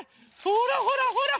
ほらほらほら！